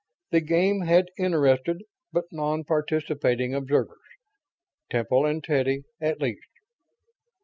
The game had interested, but non participating, observers. Temple and Teddy, at least."